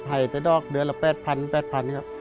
ไห่จะดอกเดือนละแปดพันแปดพันครับ